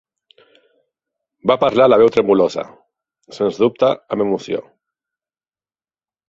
Va parlar la veu tremolosa, sens dubte amb emoció.